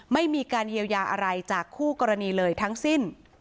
ไม่มีการเยียวยาอะไรจากคู่กรณีเลยทั้งสิ้น